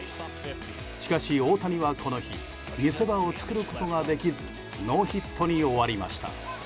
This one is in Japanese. しかし、大谷はこの日見せ場を作ることができずノーヒットに終わりました。